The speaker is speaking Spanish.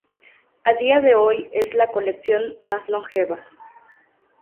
A día de hoy es la colección más longeva.